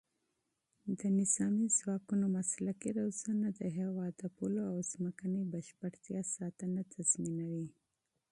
د نظامي ځواکونو مسلکي روزنه د هېواد د پولو او ځمکنۍ بشپړتیا ساتنه تضمینوي.